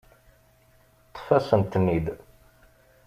Ṭṭef-asent-ten-id.